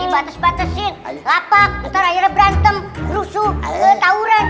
ini dibates batesin lapak ntar akhirnya berantem rusuh tawuran